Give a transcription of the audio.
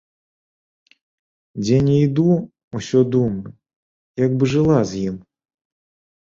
Дзе ні іду, усё думаю, як бы жыла з ім.